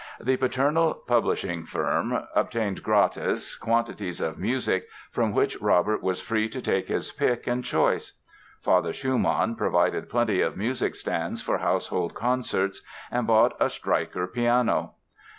The paternal publishing firm obtained gratis quantities of music from which Robert was free to take his pick and choice. Father Schumann provided plenty of music stands for household concerts and bought a Streicher piano.